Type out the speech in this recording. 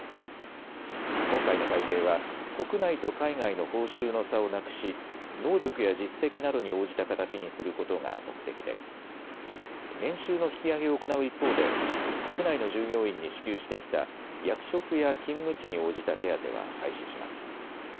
今回の改定は国内と海外の報酬の差をなくし能力や実績などに応じた形にすることが目的で年収の引き上げを行う一方で国内の従業員に支給してきた役職や勤務地に応じた手当は廃止します。